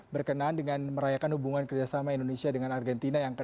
berkenan dengan merayakan hubungan kerjasama indonesia dengan argentina yang ke enam puluh lima